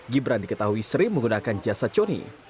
gibran diketahui sering menggunakan jasa conni